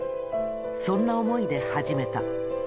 そんな想いで始めた。